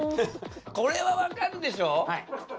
これは分かるでしょ